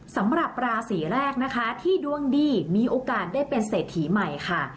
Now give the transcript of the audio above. สำหรับราศีแรกนะคะที่ดวงดีมีโอกาสได้เป็นเศรษฐีใหม่ค่ะ